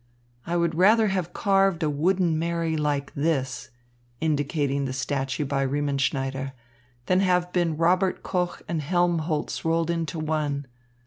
I would rather have carved a wooden Mary like this" indicating the statue by Riemenschneider "than have been Robert Koch and Helmholtz rolled into one.